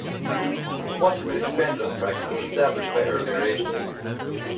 Wasserman expanded on practices established by earlier agents.